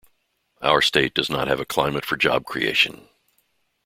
Our state does not have a climate for job creation.